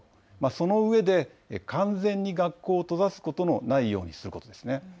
そのうえで完全に学校を閉ざすことのないようにすること。